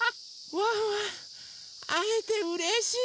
ワンワンあえてうれしい！